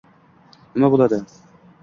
nima bo‘ladi?